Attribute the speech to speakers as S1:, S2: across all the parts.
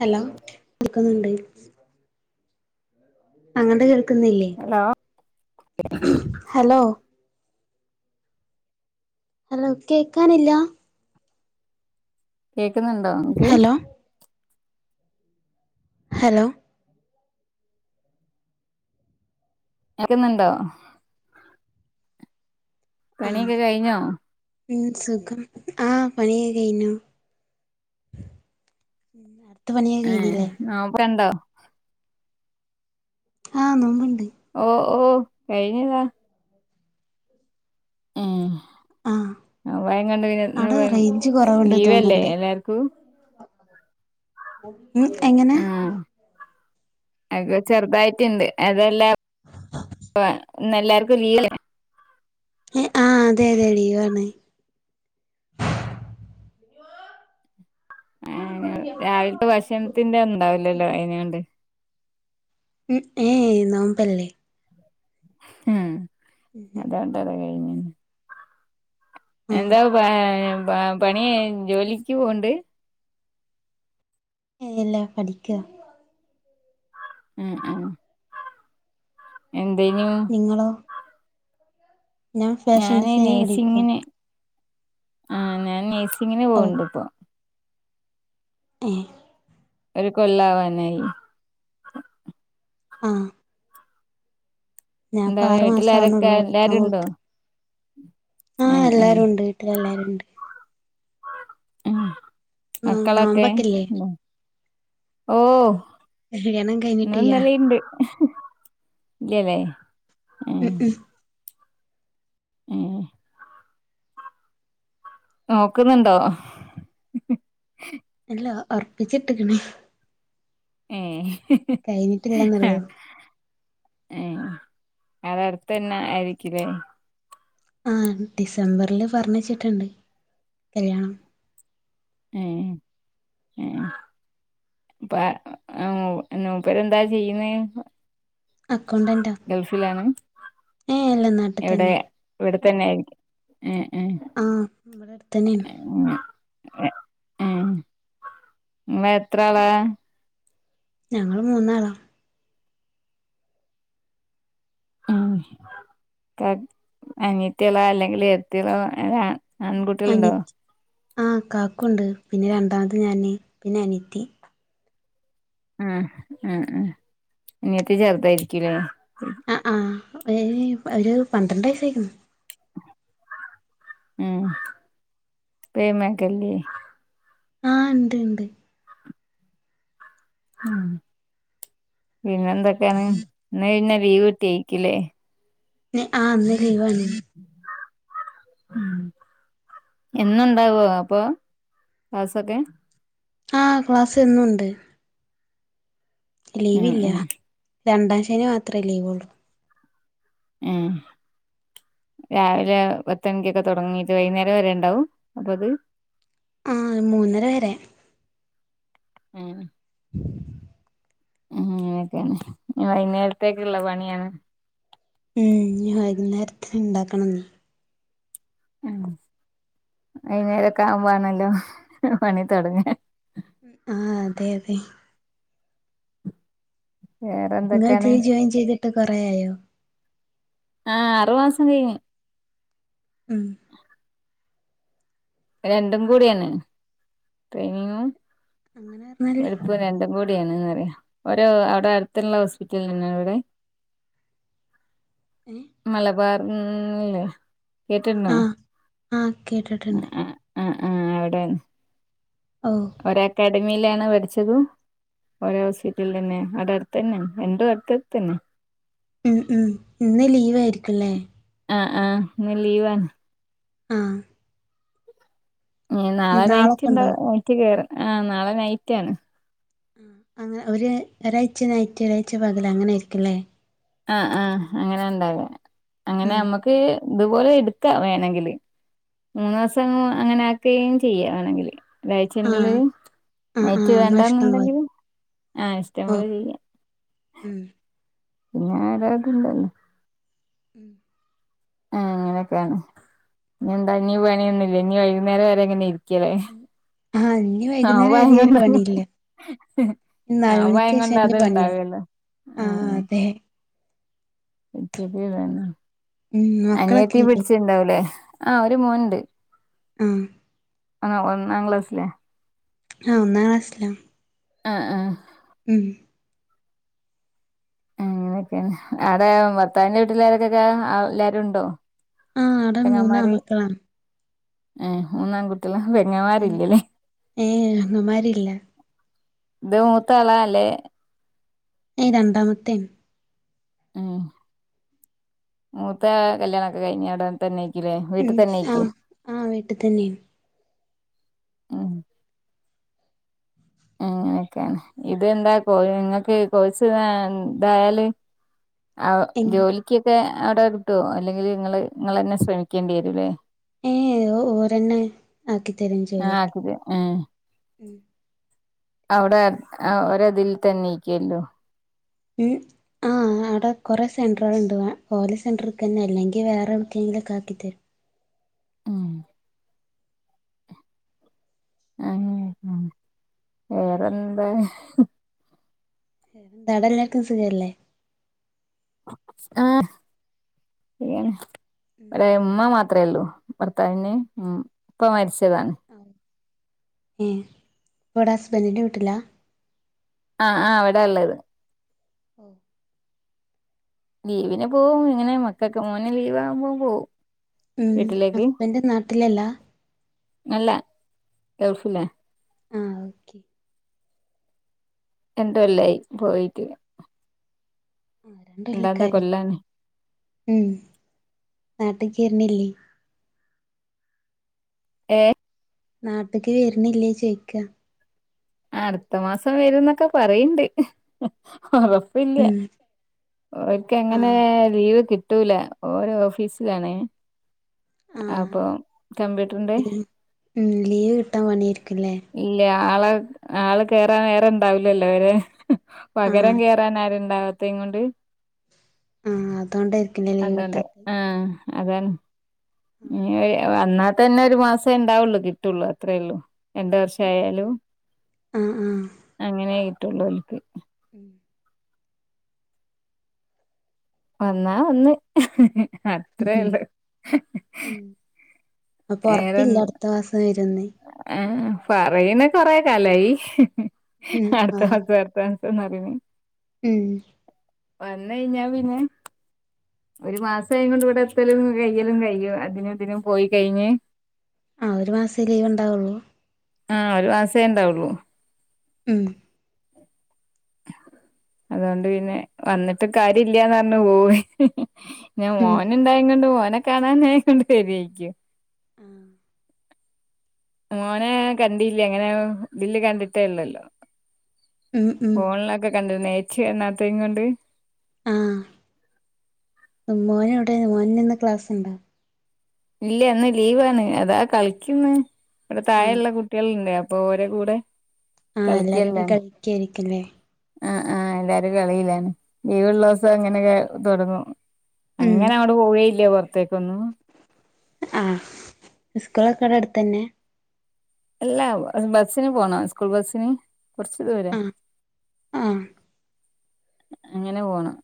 S1: Hello കേൾക്കുന്നുണ്ട് അങ്ങോട്ട് കേൾക്കുന്നില്ലേ
S2: ഹലോ
S1: ഹലോ ഹലോ കേക്കാനില്ല
S2: കേക്കുന്നുണ്ടോ നിനക്ക്
S1: ഹലോ ഹലോ
S2: കേക്കുന്ന്ണ്ടോ
S1: ആഹ്
S2: പണിയൊക്കെ കയിഞ്ഞോ
S1: ഉം സുഖം ആഹ് പണിയൊക്കെ കഴിനു ഉം അടു- ത്തു പണി
S2: ഏ
S1: കഴിഞ്ഞില്ലേ
S2: നോക്കണ്ടോ
S1: ആഹ് [unintelligible]
S2: ഓ ഓ കയിഞ്ഞില്ല ഏഹ്
S1: ആഹ്
S2: ആ മയങ്ങണ്ട് പിന്നെ
S1: അവിടെ റേഞ്ച്
S2: [unintelligible]
S1: കുറവുണ്ട്
S2: ലീവല്ലെ
S1: തോന്നുന്നുണ്ട്
S2: എല്ലാർക്കും
S1: ഉം എങ്ങനെ
S2: അത് ചെറുതായിട്ടുണ്ട് അതെല്ലാം ഇന്നെല്ലാർക്കും ലീവ
S1: ഏ ആഹ് അതെ അതെ ലീവാണ്.
S2: ആ രാവിൽത്തെ ഭഷൺത്തിന്റെ ഉ ണ്ടാവുലല്ലോ അയിനൊണ്ട്.
S1: ഉം ഏ നോമ്പല്ലേ?
S2: ഉം [unintelligible]
S1: ആഹ്
S2: എന്താ പ പണി ജോലിക്ക് പോവ്ണ്ട്?
S1: ഇല്ലല്ലാ പഠിക്ക.
S2: ഉം ഉം. എന്തേനു
S1: നിങ്ങളോ? ഞാൻ ഫാഷൻ
S2: ഞാന്
S1: ഡിസൈനിങ് പഠിക്കാ
S2: നഴ്സിങ്ങിന് ആ ഞാൻ നേഴ്സിങ്ങിന് പോണ്ട് ഇപ്പോ
S1: ഏ
S2: ഒരു കൊല്ലാവാനായി
S1: അ
S2: എന്താണ്
S1: മാസം
S2: വീട്ടിലാരൊക്കെ
S1: ആവണുള്ളൂ പഠിക്കാൻ
S2: എല്ലരുണ്ടോ
S1: പോയിട്ട് ആഹ് എല്ലാരുണ്ട് വീട്ടില് എല്ലാരുണ്ട്
S2: ഉം
S1: നോ
S2: മക്കളൊക്കെ
S1: നോമ്പൊക്കെല്ലേ
S2: ഉം ഓ
S1: കല്യാണം കഴിഞ്ഞിട്ടിയ്യ
S2: ഇന്ന്ന്നലേണ്ട് ഇല്ലല്ലേ
S1: ഉം ഉം
S2: ഏഹ് നോക്ക്ന്ന്ണ്ടോ
S1: ല്ല ഒർപ്പിച്ചിട്ട്ക്ക്ണേ
S2: ഏഹ്
S1: കയിഞ്ഞിട്ടില്ലന്നുള്ളൂ
S2: ഏഹ് അതടുത്തന്നെ ആയിരിക്ക്ലേ
S1: ആഹ് ഡിസംബറില് പറഞ്ഞച്ചിട്ട്ണ്ട് കല്യാണം
S2: ഏഹ് ഏഹ് അപ്പ നൂപ്പർ എന്താ ചെയ്യുന്നേ
S1: അക്കൗണ്ടന്റാ
S2: ഗൾഫിലാണ്
S1: ഏഹ് അല്ല നാട്ടി
S2: എവിടെ
S1: തന്നെ
S2: ഇവിട തന്നേ ഏഹ്
S1: ആ നമ്മടെ അടുത്തന്നേണ്
S2: എ ഏ ഇങ്ങളെത്രാളാ
S1: ഞങ്ങള് മൂന്നാളാ
S2: ഉം ക്കെ അനിയത്ത്യേളോ അല്ലെങ്കില് എത്ത്യേളോ അങ്ങ ആൺകുട്ട്യേളുണ്ടോ
S1: ആ കാക്കുണ്ട് പിന്നെ രണ്ടാമത് ഞാന് പിന്നെ അനിയ്ത്തി
S2: ഉം ഉം ഉ അനിയത്തി ചെറ്തായിരിക്കൂലേ
S1: അ ആ അ ഒരു പന്ത്രണ്ട് വയ്സ്സായിക്കിണ്
S2: ഉം പ്രേമക്കല്ലി
S1: ആഹ് ഇണ്ട് ഇണ്ട്
S2: ആഹ പിന്നെ എന്തൊക്കേണ് ഇന്ന് പിന്നെ ലീവ് കിട്ട്യേക്ക്യുലെ
S1: എ ആ ഇന്ന് ലീവാണ്
S2: ഉം എന്നുണ്ടാവോ അപ്പൊ ക്ളാസൊക്കെ
S1: ആഹ് ക്ലാസ് എന്നുണ്ട്
S2: ഉം
S1: ലീവില്ല
S2: ഉം
S1: രണ്ടാം ശനി മാത്രേ ലീവുള്ളു
S2: ഏഹ് രാവിലെ പത്ത് മണിക്കൊക്കെ തുടങ്ങീട്ട് വൈകുന്നേരം വരെ ഉണ്ടാവും. അപ്പൊ അത്
S1: ആ മൂന്നര വരെ
S2: ഉം അങ്ങനൊക്കേണ് ഇനി വൈന്നേരത്തേക്ക്ള്ള പണിയാണ്
S1: ഉം വൈന്നേരത്തിന് ഇണ്ടാക്കണം
S2: ഉം വൈന്നേരൊക്കാവുംബാണല്ലോ പണി തൊടങ്ങ
S1: ആഹ് അതെ അതെ
S2: വേറെ
S1: ഇങ്ങൾ
S2: എന്തൊക്കെയാണ്
S1: ജി ജോയിൻ ചെയ്തിട്ട് കൊറേയായോ
S2: ആ അറുമാസം കയ്ഞ്ഞ്
S1: ഉം
S2: രണ്ടും കൂടിയാണ് ട്രെയിനിങ്ങും
S1: അങ്ങനെ പറഞ്ഞാല്
S2: ോടിയാണ്ന്ന്റിയ ഓരോ അവിടെ അടുത്തുള്ള ഹോസ്പിറ്റലന്ന ഇവിടെ
S1: [inaudible] ഏഹ്
S2: മലബാറല്ലേ കേട്ടിന്നോ
S1: ആഹ കേട്ടിട്ടുണ്ട്
S2: ആ ആ അവിടെന്ന്
S1: ഓഹ്
S2: ഒ അക്കാഡമിയിലാണ് പഠിച്ചത് ഓരോ ഹോസ്പിറ്റലിൽ തന്നെ അടെ അടുത്ത് തന്നെ എണ്ടോ അടുത്തടുത്ത തന്നെ
S1: ഉം ഉം ഇന്ന് ലീവ് ആയിരിക്കല്ലേ
S2: ആഹ് ആഹ് എന്ന ലീവാണ്
S1: ആഹ
S2: നാളെ നൈറ്റ്
S1: നാളൊക്കെ
S2: ഇണ്ട
S1: ഉണ്ടോ
S2: നൈറ്റ് കേറ ആ് നാളെ നൈറ്റ് ആണ്
S1: അങ്ങനെ ഒരു ഒരാഴ്ച നായിറ്റ ഒരാഴ്ച്ച പകല അങ്ങനൊയിരിക്കല്ലേ
S2: ആ ആഹ അങ്ങനെ ഉണ്ടാവേ അങ്ങനെ
S1: ഉം
S2: നമ്മുക്ക് ഇതുപോലെ എടുക്കാ വേണെങ്കില് മൂന്ന് ദിവസം അങ്ങനെ ആക്കുകയും ചെയ്യവാണെങ്കില് ഒതാഴ്ചറള്
S1: ആഹ് ആഹ്
S2: ഏറ്റ്
S1: ആഹ് നമ്മളെ ഇഷ്ടം പോലെ
S2: വേണ്ടന്നുണ്ടെങ്കിൽ ആഹ ഇഷ്ടംപോലെ
S1: ഓഹ്
S2: ചെയ്യ
S1: ഉം
S2: പിന്നെ ആരത് ഇണ്ടല്ലോ
S1: ഉം
S2: ആ അങ്ങനെയൊക്കെയാണ് ഇ എന്താ ഇീ വേണൊന്നുമില്ല ഇീ വൈകുന്നേരം വരെങ്ങനെ ഇരിക്ക കരെ
S1: ആഹ ഇനി വൈകുന്നേരം വലിയ ഒരു പണിയില്ല
S2: ആഹ
S1: നാല്
S2: ഭയ
S1: മണിക്ക്
S2: കൊണ്ട
S1: ശേഷം
S2: അത്
S1: ഇനി പണിയാ
S2: ഇണ്ടാവല്ലോ ആ
S1: ആഹ് അതെ
S2: പിിച്ചപ്പ വേണം
S1: ഉം മക്കളൊക്കെ
S2: അനിയത്തിീ
S1: ഇല്ലേ
S2: പിടിച്ചിുണ്ടാവലേ ആഹ ഒരു മൂന്ണ്ട്
S1: ആഹ
S2: ആ നാം ക്ലാസ്ല്ലേ
S1: ആഹ ഒന്നാ കാസിലാം
S2: ആഹ ആഹ
S1: ഉം
S2: അങ്ങനെയൊക്കെയെ അടെ ഭർത്താവിന്റെ വീട്ടിലാരൊക്കെക്കെ എല്ലാവരും ഉണ്ടോ
S1: ആഹ അട മൂന്ന് അമക്കലാം
S2: ഏ മൂന്നാാംകുട്ടികള
S1: ഉം
S2: വെങ്ങമാരില്ലല്ലേ
S1: ഏഹ് അമ്മമാരില്ല
S2: ഇത് മൂത്തളാല്ലേ
S1: ഏയ് രണ്ടാമത്തേൻ
S2: ഉ മൂത്ത കല്യാണൊക്കെ കഴിഞ്ഞ ഇട തന്നെ േ വീട്ടിൽ
S1: ഉം
S2: തന്നൊയിക്കും
S1: ആഹ് ആഹ് വീട്ടിൽ തന്നെയാണ്
S2: ഉ
S1: [inaudible]
S2: അനൊക്കെയാണ് ഇതെന്താ കോ നിങ്ങക്ക് കൊഴച്ച് ഇതായാല് ആ
S1: എങ്ങ
S2: ജോലിക്കൊക്കെ അവിടെ കിട്ടുവോ അല്ലെങ്കിൽ നിങ്ങള് നിങ്ങന്നെ ശ്രമിക്കേണ്ടി വരൂല്ലേ
S1: ഏ ഓരെണ്ണ ആക്കി തരും
S2: ആഹ്
S1: ജോലിക്ക്
S2: ആക്കിത് ആഹ്
S1: ഉ
S2: അവിടെ ഒതിൽ തന്നെ ഇക്കല്ലോ
S1: ഉം ആ ആ അവിടെ കുറെ സെന്റുകൾ ഉണ്ട് പോലെ സെന്റർ തന്നെ അല്ലെങ്കിൽ വേറെ എവിടുക്കെങ്കിലൊക്കെ ആക്കി തരും
S2: ആഹ ആ വേറെന്താ
S1: ൻ്റാടൊല്ലാർക്കും സുഖല്ലേ
S2: ആ ഉം വേ ഉമ്മ മാത്ര ത്രള്ളൂ ഭർത്താവിന്ന് ഉം ഇപ്പ മരിച്ചതാണ്
S1: ഏ പ്പടെ ഹസ്ബൻ്റിന്റെ വീട്ടിലാ
S2: ആ ആ അവിടാള്ളത്
S1: ഓ
S2: ലീവിന് പോവുംങ്ങനെ മക്കൊക്കെ മോന്ലീവാവുമ്പോ പോവും
S1: ഉം
S2: വീട്ടിലേക്ക്
S1: ഹസ്ബൻ്റ് നാട്ടിലല്ലാ
S2: അല്ല ഗൾഫിലാ
S1: ആ ഓക്കെ
S2: രണ്ട്കൊല്ലായി പോയിട്ട്
S1: ആ
S2: എന്താത്തെ
S1: രണ്ടല്ലൊക്കായൊ
S2: കൊല്ലാണ്
S1: ഉം ആ ചെര്നില്ലേ
S2: ഏ
S1: നാട്ട്ക്ക് വര്ണ്ല്ലേ ചോയ്ക്ക
S2: അടുത്തമാസം വരുംന്നൊക്കെ പറയ്ണ്ട് ഒറപ്പില്ലൃ
S1: ഉം
S2: ഓൽക്കങ്ങനെ
S1: ആഹ്
S2: ലീവ്കിട്ട് ട്ടൂല ഓര് ഓഫീസിലാണ്
S1: ആഹ്
S2: അപ്പൊ കമ്പ്യൂട്ട്റിന്റെ
S1: ലീ ഉം ലീവ് കിട്ടാൻ പണിയായിരിക്കുംല്ലേ
S2: ഇല്ല ആളെ ആള് കേറാൻ വേറെണ്ടാവുലല്ലോ ഓരെ പകരം
S1: ആഹ്
S2: കേറാൻ ആരുണ്ടാവാത്തെങ്ങൊണ്ട്
S1: ആഹ് അതോണ്ടായിരിക്കുംല്ലേ ലീവ്
S2: അതണ്ട്
S1: കിട്ടാത്തെ
S2: ആ അതാണ് ഞിയ് വന്നാൽ അതന്നെ ഒരു മാസണ്ടാവുള്ളൂ കിട്ടൊള്ളൂ അത്രേള്ളൂ രണ്ട് വർഷായാലും
S1: ആഹ്
S2: അങ്ങനെ കിട്ടൊള്ളൂ ഓൽക്ക്
S1: ഉം
S2: വന്നാവന്നു
S1: ഉം
S2: അത്രേള്ളു
S1: അപൊറ്പ്പില്ല അടുത്തമാസം വരുന്ന്
S2: ആ പറയ്ണ് കൊറേ കാലായി
S1: ഉം ആഹ്
S2: അടുത്താസം അടുത്താസ എന്നറീണ്
S1: ഉം
S2: വന്നൈഞാ പിന്നെ ഒരുമാസ [unintelligible] ഇവിടെത്തലും കയ്യലും കയ്യും അതിനും ഇതിനും പോയികയിഞ്ഞ്
S1: ആ ഒരുമാസേ ലീവ്ണ്ടാവൊള്ളൂ
S2: ആ ഒരു മാസേണ്ടാവൊള്ളു
S1: ഉം
S2: അതുകൊണ്ട് പിന്നെ വന്നിട്ട് കാര്യല്ലൃന്നറ്ഞ്ഞ്പോയി ഹാ
S1: ഉം
S2: അവനുണ്ടായിങ്ങൊണ്ട് മോനെ കാണാനേ കൊണ്ട് വരൈകും
S1: ആ
S2: മോനെ കണ്ടില്ലങ്ങനെ ഇതില് കണ്ടിട്ടേള്ളല്ലോ
S1: ഉം ഉം
S2: ഫോണിലൊക്കെ കണ്ടിക്ണ് നേച്ച്ണാത്തേൻകൊണ്ട്
S1: ആഹ് [unintelligible] ന്ന്ന്ന് ക്ലാസ്ണ്ടോ
S2: ഇല്ലേ ഇന്ന് ലീവാണ് അതാ കളിക്ക്ന്ന് വിടെ
S1: ആഹ്
S2: താഴെള്ള കുട്ടികളുണ്ട് അപ് പ്പോരെകൂടെ
S1: ആ എല്ലാരുടെ കളിക്കായിരിക്ക്ല്ലേ
S2: ആ ആ ല്ലാരുംകളീലാണ് ലീവള്ളസം ങ്ങനെ തൊ തൊടങ്ങും
S1: ഉം
S2: അങ്ങനവിടെ പോവേയില്ല പൊറത്തേക്കൊന്നും
S1: ആ സ്സ്കൂളൊക്കെടെടുത്തന്നെ
S2: ഇല്ലാ ബസ്സിന് പോണം സ്കൂൾ ബസ്സിന് കൊറ്ച്ചുദൂര
S1: ആഹ് ആഹ്
S2: അങ്ങനെപോണം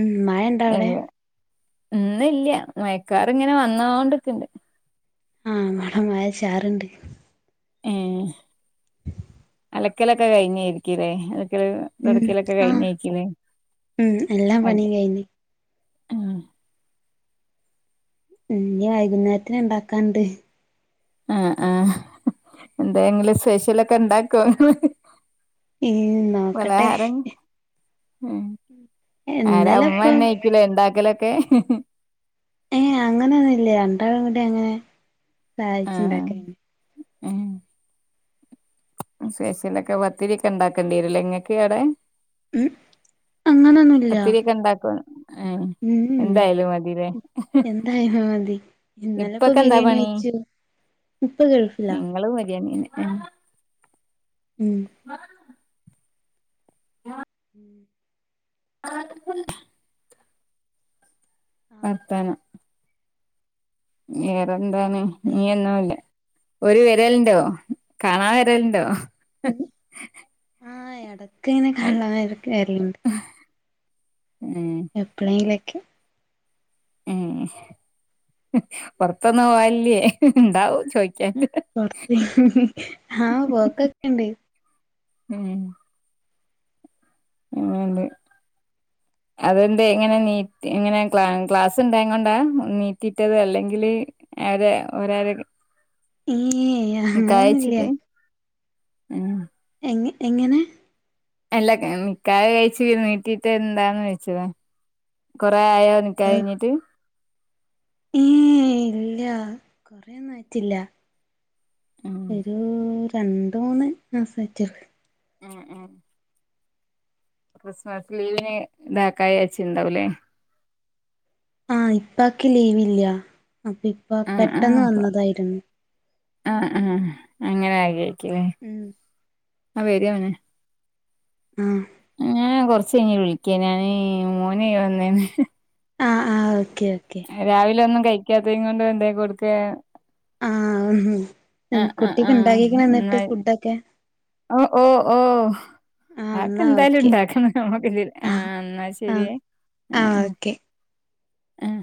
S1: ഉം മഴ എന്താ അവിടെ
S2: ഇന്ന ഇല്ല മയക്കാർ ഇങ്ങനെ വന്നോണ്ടൊക്കെണ്ട്
S1: ആ മട വായച്ചാറുണ്ട്
S2: ആഹ
S1: ഉ
S2: അലക്കലൊക്കെ കഴിഞ്ഞാരിക്കുല്ലേ? ല്ക്കല്
S1: ഉം
S2: തൊട്ക്കലൊക്കെ
S1: ആഹ്
S2: കഴിഞ്ഞേ ക്കുല്ലേ?
S1: ഉം എല്ലാ പണിയും കഴിഞ്ഞ്
S2: ആഹ്.
S1: ഇഞ്ഞ് വൈകുന്നേര്ത്തിന് ഇണ്ടാക്കാണ്ട്.
S2: ആഹ് ആഹ് എന്തേങ്കിലും സ്പെഷ്യലൊക്കെണ്ടാക്കോ?
S1: ഇൽ നോക്കട്ടെ.
S2: ഉം ആര
S1: ഇന്നലെ ഇപ്പൊ
S2: ഇമ്മന്നെ എയ്ക്കുലേ ഇണ്ടാക്കലൊക്കെ?
S1: ഏഹ് അങ്ങനെന്നുംല്ല. രണ്ടാളും കൂടി അങ്ങനെ സഹായിച്ച്ണ്ടാക്ക
S2: ഉം. സ്പെഷ്യലൊക്കെ പത്തിരി ഒക്കെ ഇണ്ടാക്കേണ്ടിരൂല്ലേ ഇങ്ങക്ക് ആടെ?
S1: [unintelligible] അങ്ങനൊന്നുല്ല.
S2: പത്തിരിയൊക്കെ ഉണ്ടാക്കോ ഏഹ് എന്തായാലും മതില്ലേ
S1: എന്തായലും മതി. ഇന്നലെ പ്പൊ ബിരിയാണി വെച്ചു. ഇപ്പ ഗൾഫിലാ
S2: ഞങ്ങളും മരിയാണന്നെ
S1: ഉം. ഉം ആഹ്
S2: വർത്താനം വേറെന്താണ്
S1: അതെ
S2: നീയന്നോല്ലെ ഒരു വെരൽണ്ടോ കാണാൻ വെരൽണ്ടോ?
S1: ആഹ് എടക്
S2: ഏഹ്
S1: ങ്ങനെ [unintelligible] എപ്പളേങ്കിലൊക്കെ
S2: ഏഹ് ഉം പുൊറത്തൊന്നും പോവല്ലേ ഉണ്ടാവും ചോയ്
S1: പൊർത് ആഹ് പോക്കൊക്കെണ്ട്
S2: ഉം [unintelligible] അതന്തെ ഇങ്ങനെ നീ ഇങ്ങനെ ക്ലാ ക്ലാസ് ണ്ടായിൻ കൊണ്ടാ നീറ്റിട്ടത്. അല്ലെങ്കില് അവര് ഒരാരൊക്
S1: ഏയ്
S2: ന്ക്കാഹ്
S1: അങ്ങനൊന്നുല്ല
S2: യ്ചിട്ട്
S1: എങ് എങ്ങനെ
S2: എല്ല കെ നിക്കാഹ് യ്ചി നീട്ടിട്ട് എന്താന്ന്വെച്ചതോ കൊ റായോ നിക്കാഹ് ഴിഞ്ഞിട്ട്?
S1: ഏഹ് ഇല്ല കൊറേന്നായിട്ടില്ല
S2: ഉം
S1: ഒരു രണ്ട് മൂന്ന് മാസായ്റ്റൊള്ളു
S2: ഉം ഉം ക്രിസ്മസ് ലീവിന് ഇതാക്കാ ച്ചിണ്ടാവ് ലേ
S1: ആഹ് ഇപ്പക്ക് ലീവ് ല്യ അപ്പൊ ഇപ്പ
S2: ആഹ് ആഹ്
S1: പെട്ടെന്ന്
S2: അപ്പൊ
S1: വന്നതായിരുന്നു.
S2: ആഹ് ആഹ് അങ്ങനെ ആയ്ഗരിക്കില്ലേ
S1: ഉം
S2: അഹ് വേരാണ്.
S1: ആഹ്
S2: ഞാ കൊർച്ചയ്ഞ് വിളിക്ക ഞാന് മോന് വന്നേണ്.
S1: ആഹ് ആഹ് ഓ
S2: രാവിലെ ഒന്നും കഴിക്കാത്തത് കൊണ്ട് ഉണ്ടാക്കി കൊടുക്കുക
S1: ആഹ്
S2: ആഹ്
S1: കുട്ടിക്ക്
S2: ആഹ്
S1: ഉണ്ടായേക്കണ്
S2: എന്നാ
S1: എന്നിട്ട് ഫുഡൊക്കെ
S2: ഓ ഓ ഓ
S1: ആഹ്
S2: അതൊക്കെ
S1: ഇന്നാ
S2: എന്തായാലും
S1: ഓക്കെ
S2: ഉണ്ടാക്കണം എന്നാ ശരിയേ
S1: ആ
S2: ആഹ് ആഹ്
S1: ഓക്കെ
S2: ആഹ്